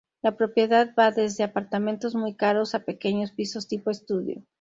La propiedad va desde apartamentos muy caros a pequeños pisos tipo estudio.